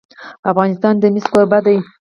افغانستان د مس کوربه دی.